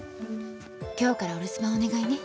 今日からお留守番お願いね。